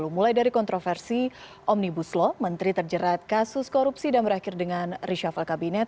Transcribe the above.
mulai dari kontroversi omnibus law menteri terjerat kasus korupsi dan berakhir dengan reshuffle kabinet